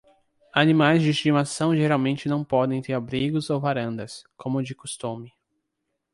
Animais de estimação geralmente não podem ter abrigos ou varandas, como de costume.